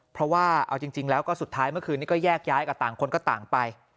เพราะว่าเอาจริงแล้วก็สุดท้ายเมื่อคืนนี้ก็แยกย้ายกับต่างคนก็ต่างไป